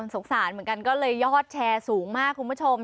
สงสารเหมือนกันก็เลยยอดแชร์สูงมากคุณผู้ชม